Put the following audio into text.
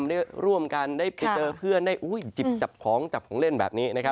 ได้ร่วมกันได้ไปเจอเพื่อนได้หยิบจับของจับของเล่นแบบนี้